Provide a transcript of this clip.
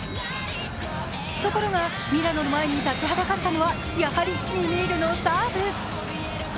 ところがミラノの前に立ちはだかったのは、やはりミニール。